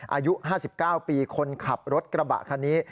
อายุ๕๙ปีคนขับรถกระบะคันนี้